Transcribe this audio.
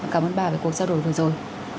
cảm ơn bà về cuộc trao đổi vừa rồi